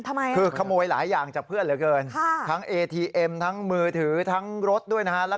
ทำไมคือขโมยหลายอย่างจากเพื่อนเหลือเกินค่ะทั้งเอทีเอ็มทั้งมือถือทั้งรถด้วยนะฮะ